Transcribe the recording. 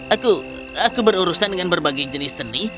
aku aku berurusan dengan berbagai jenis seni